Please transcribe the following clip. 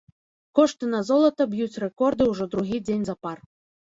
Кошты на золата б'юць рэкорды ўжо другі дзень запар.